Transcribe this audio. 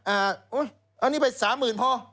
เอานี่ไป๓๐๐๐๐พอ